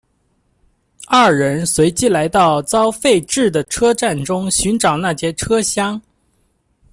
二人随即来到遭废置的车站中寻找那节车厢。